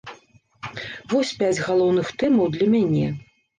Вось пяць галоўных тэмаў для мяне.